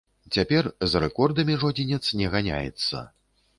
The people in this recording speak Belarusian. Цяпер за рэкордамі жодзінец не ганяецца.